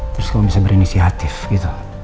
terus kamu bisa berinisiatif gitu